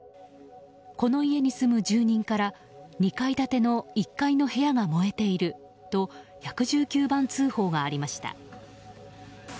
この家に住む住人から２階建ての１階の部屋が燃えていると１１９番通報がありました。